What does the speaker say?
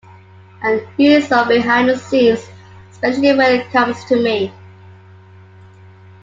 And he's so 'behind the scenes,' especially when it comes to me.